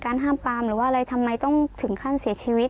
ห้ามปามหรือว่าอะไรทำไมต้องถึงขั้นเสียชีวิต